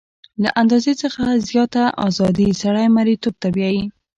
له اندازې څخه زیاته ازادي سړی مرییتوب ته بیايي.